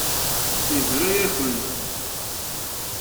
Yebra-yakent.